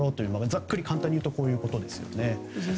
ざっくり簡単に言うとこういうことですよね。